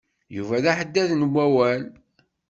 Yuba d aḥeddad n wawal.